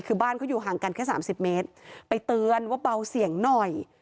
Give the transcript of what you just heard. คือบ้านเขาอยู่ห่างกันแค่สามสิบเมตรไปเตือนว่าเบาเสียงหน่อย